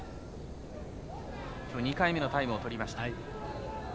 ２回目のタイムをとりました。